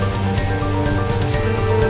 baik kita akan berjalan